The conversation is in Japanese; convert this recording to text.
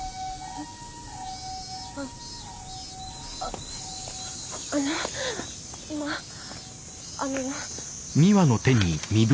ああっあの今あの。